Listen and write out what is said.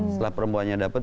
setelah perempuannya dapat